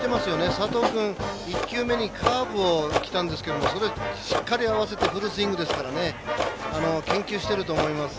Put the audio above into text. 佐藤君、１球目にカーブきたんですけどそれ、しっかり合わせてフルスイングですから研究していると思います。